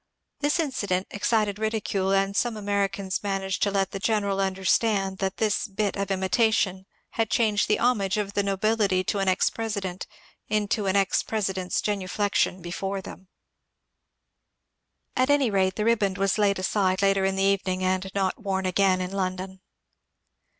The incident excited ridicule, and some Americans managed to let the general understand that this bit of imitation had changed the homage of the nobility to an ex President into an ex President's genuflexion before them. VOL. n 870 MONCURE DANIEL CONWAY At any rate, the riband was laid aside later in the evening, and not worn again in London.